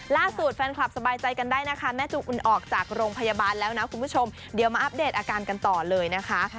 ล่าสุดแฟนคลับสบายใจกันได้นะคะแม่จูอุ่นออกจากโรงพยาบาลแล้วนะคุณผู้ชมเดี๋ยวมาอัปเดตอาการกันต่อเลยนะคะ